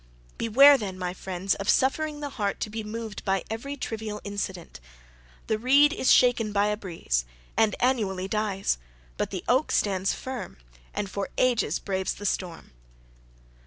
Beware then, my friends, of suffering the heart to be moved by every trivial incident: the reed is shaken by a breeze, and annually dies, but the oak stands firm, and for ages braves the storm.